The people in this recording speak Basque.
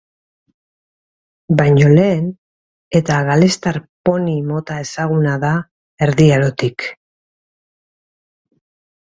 Baino lehen, eta galestar poni mota ezaguna da Erdi Arotik.